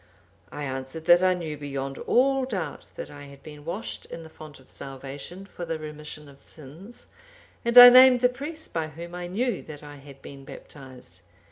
I answered that I knew beyond all doubt that I had been washed in the font of salvation, for the remission of sins, and I named the priest by whom I knew that I had been baptized.